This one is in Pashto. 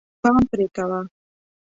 پام پرې کوه.